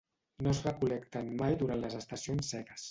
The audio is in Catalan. No es recol·lecten mai durant les estacions seques.